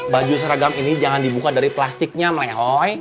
baju seragam ini jangan dibuka dari plastiknya melehoy